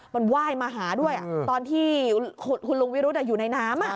มันไหว้มาหาด้วยตอนที่คุณลุงวิรุธอยู่ในน้ำ